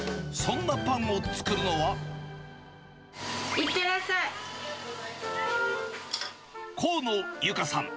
いってらっしゃい。河野結花さん。